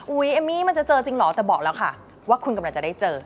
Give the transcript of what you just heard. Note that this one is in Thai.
เอมมี่มันจะเจอจริงเหรอแต่บอกแล้วค่ะว่าคุณกำลังจะได้เจอ